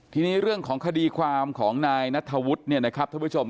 ทีนี้เรื่องของคดีความของนายนัทธวุฒิเนี่ยนะครับท่านผู้ชม